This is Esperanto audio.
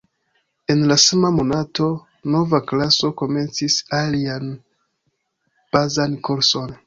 En la sama monato, nova klaso komencis alian bazan kurson.